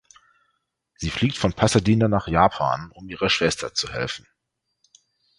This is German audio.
Sie fliegt von Pasadena nach Japan, um ihrer Schwester zu helfen.